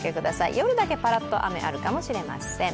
夜だけパラッと雨、あるかもしれません。